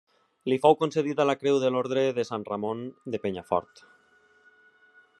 Li fou concedida la creu de l'Orde de Sant Ramon de Penyafort.